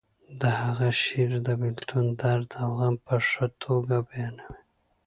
د هغه شعر د بیلتون درد او غم په ښه توګه بیانوي